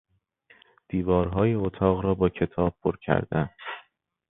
دیوارهای اتاق را باکتاب پر کردن